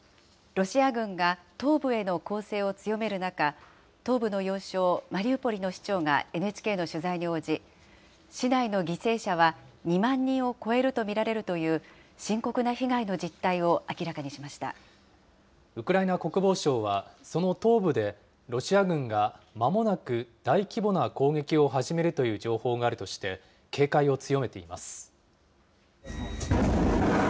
ロシア軍が東部への攻勢を強める中、東部の要衝マリウポリの市長がＮＨＫの取材に応じ、市内の犠牲者は２万人を超えると見られるという、深刻な被害の実態を明らかにウクライナ国防省は、その東部で、ロシア軍がまもなく大規模な攻撃を始めるという情報があるとして警戒を強めています。